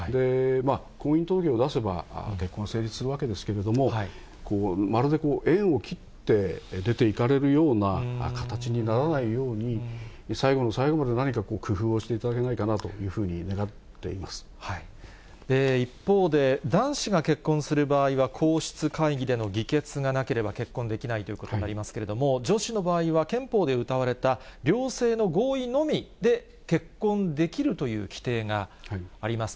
婚姻届を出せば、結婚は成立するわけですけども、まるで縁を切って出ていかれるような形にならないように、最後の最後で何か工夫をしていただけないかなというふうに願って一方で、男子が結婚する場合は、皇室会議での議決がなければ、結婚できないということになりますけれども、女子の場合は、憲法でうたわれた、両性の合意のみで結婚できるという規定があります。